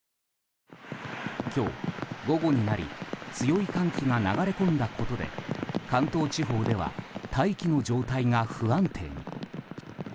今日、午後になり強い寒気が流れ込んだことで関東地方では大気の状態が不安定に。